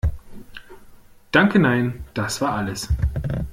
Danke nein, das war alles.